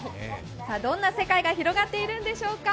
どんな世界が広がっているんでしょうか？